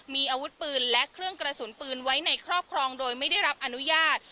มีอาวุธปืนและเครื่องกระสุนปืนไว้ในครอบครองโดยไม่ได้รับอนุญาต